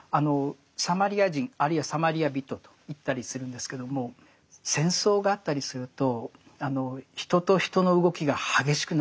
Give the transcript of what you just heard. サマリア人あるいはサマリア人と言ったりするんですけども戦争があったりすると人と人の動きが激しくなりますね。